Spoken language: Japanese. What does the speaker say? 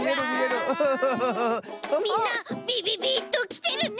みんなびびびっときてるね。